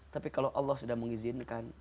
tapi kalau allah sudah mengizinkan